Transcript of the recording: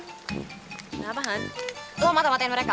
kenapa han lo mata matain mereka